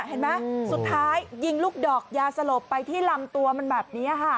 เห็นไหมสุดท้ายยิงลูกดอกยาสลบไปที่ลำตัวมันแบบนี้ค่ะ